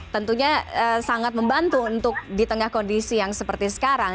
tentunya sangat membantu untuk di tengah kondisi yang seperti sekarang